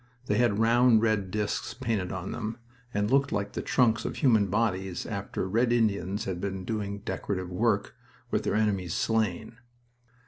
They had round, red disks painted on them, and looked like the trunks of human bodies after Red Indians had been doing decorative work with their enemy's slain.